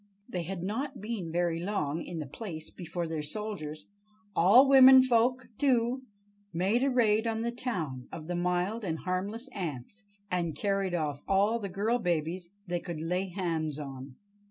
They had not been very long in the place before their soldiers—all womenfolk, too!—made a raid on the town of the mild and harmless ants, and carried off all the girl babies they could lay hands on.